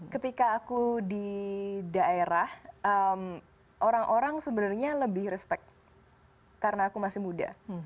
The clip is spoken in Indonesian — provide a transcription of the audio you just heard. ketika aku di daerah orang orang sebenarnya lebih respect karena aku masih muda